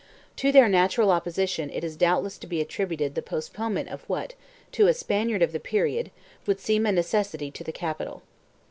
4 To their natural opposition is doubtless to be attributed the postponement of what, to a Spaniard of the period, would seem a necessity to the capital.